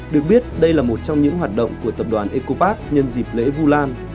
được biết đây là một trong những hoạt động của tập đoàn ecopark nhân dịp lễ vu lan